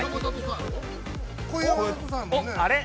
◆あれ？